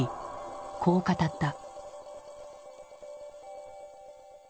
こう語った。